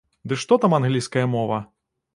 Ды што там англійская мова!